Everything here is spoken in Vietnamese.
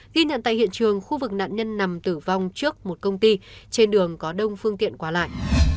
ghi nhận tại hiện trường khu vực nạn nhân nằm tử vong trước một công ty trên đường có đông phương tiện qua lại